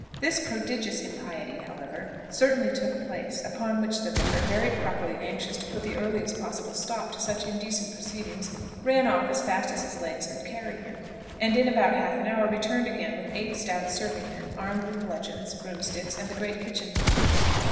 This prodigious impiety, however, certainly took place, upon which the vicar, very properly anxious to put the earliest possible stop to such indecent proceedings, ran off as fast as his legs could carry him, and in about half an hour returned again with eight stout servingmen, armed with bludgeons, broom sticks, and the great kitchen poker.